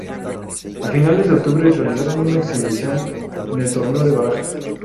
A finales de octubre realizaron una exhibición en el Torneo de Barajas.